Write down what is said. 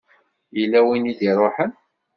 Yella win i d-iṛuḥen.